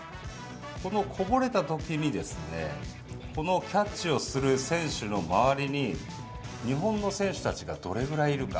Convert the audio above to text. このこぼれたときにですね、このキャッチをする選手の周りに、日本の選手たちがどれぐらいいるか。